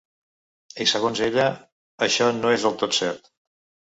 I segons ella això no és del tot cert.